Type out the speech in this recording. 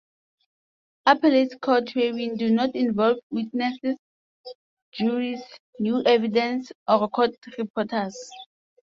Appellate court hearings do not involve witnesses, juries, new evidence, or court reporters.